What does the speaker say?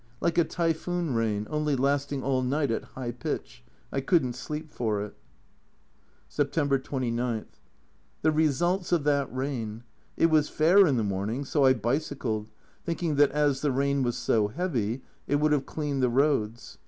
Like a typhoon rain, only lasting all night at high pitch ; I couldn't sleep for it. September 29. The results of that rain ! It was fair in the morning so I bicycled, thinking that as the rain was so heavy it would have cleaned the roads.